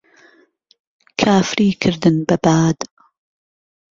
کافری کردن به باد